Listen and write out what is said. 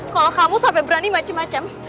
kalau kamu sampai berani macem macem